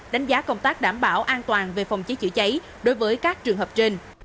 đánh giá công tác đảm bảo an toàn về phòng cháy chữa cháy đối với các trường hợp trên